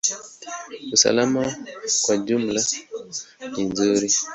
Usalama kwa ujumla ni nzuri.